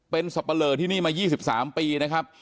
เป็นสับปะเลอที่นี่มา๒๓ปีนะครับ